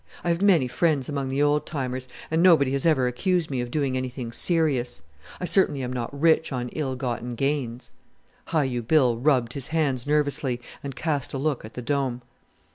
I have many friends among the old timers, and nobody has ever accused me of doing anything serious. I certainly am not rich on ill gotten gains." Hi u Bill rubbed his hands nervously and cast a look at the Dome.